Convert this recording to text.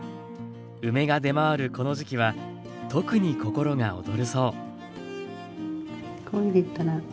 梅が出回るこの時季は特に心が躍るそう。